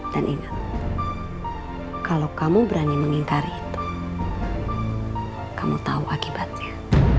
dan ingat kalau kamu berani mengingkari itu kamu tahu akibatnya